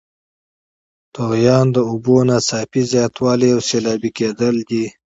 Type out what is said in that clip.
طغیان د اوبو ناڅاپي زیاتوالی او سیلابي کیدل دي.